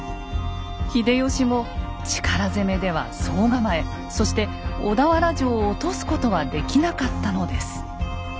秀吉も力攻めでは総構そして小田原城を落とすことはできなかったのです。